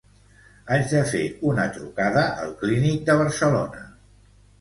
Haig de fer una trucada al Clínic de Barcelona.